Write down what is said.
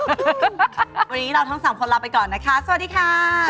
วันนี้เราทั้งสามคนลาไปก่อนนะคะสวัสดีค่ะ